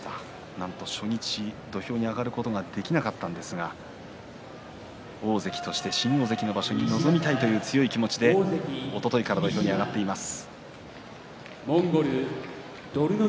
なんと初日、土俵に上がることができなかったんですが新大関の場所強い気持ちでおとといから土俵に上がっています。